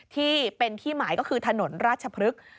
ที่เป็นที่หมายก็คือถนนราชพฤกษ์